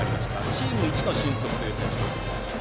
チームいちの俊足という選手。